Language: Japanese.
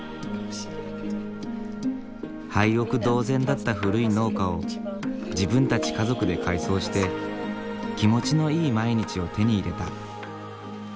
廃屋同然だった古い農家を自分たち家族で改装して気持ちのいい毎日を手に入れた。